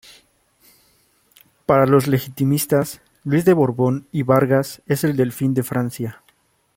Para los legitimistas, Luis de Borbón y Vargas es el delfín de Francia.